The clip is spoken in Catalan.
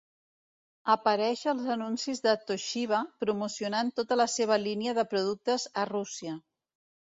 Apareix als anuncis de Toshiba promocionant tota la seva línia de productes a Rússia.